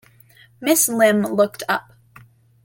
Miss Limb looked up.